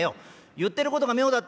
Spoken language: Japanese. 言ってることが妙だって